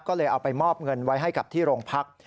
ก็เลยเอาไปมอบเงินไว้ให้กับที่โรงพัก